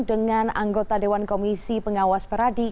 dengan anggota dewan komisi pengawas peradi